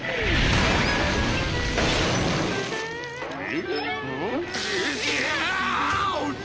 えっ？